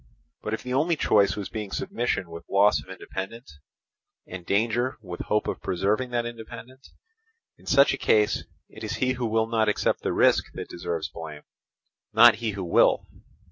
But if the only choice was between submission with loss of independence, and danger with the hope of preserving that independence, in such a case it is he who will not accept the risk that deserves blame, not he who will.